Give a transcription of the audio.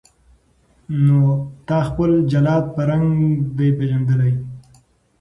نه تا خپل جلاد په رنګ دی پیژندلی